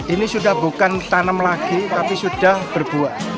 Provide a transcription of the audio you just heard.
ini sudah bukan tanam lagi tapi sudah berbuah